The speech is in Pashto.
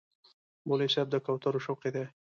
مولوي صاحب د کوترو شوقي دی.